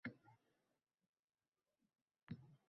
To‘g‘ri soydan o‘tkazib, uyimga obordim.